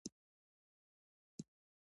ژوند دخپل په خوښه وکړئ